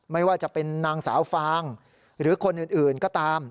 ไม่ว่าจะเป็นนางสาวฟางหรือคนอื่นก็ตาม